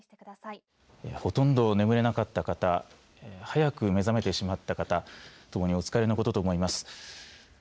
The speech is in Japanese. ほとんど眠れなかった方早く目覚めてしまった方ともにお疲れのことと思います。